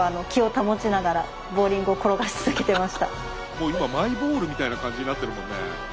もう今マイボールみたいな感じになってるもんね。